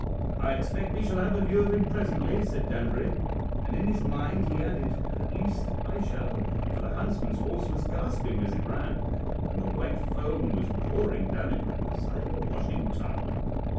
"'I expect we'll have a view of him presently,' said Danbury; and in his mind he added, 'at least, I shall,' for the huntsman's horse was gasping as it ran, and the white foam was pouring down it like the side of a washing tub.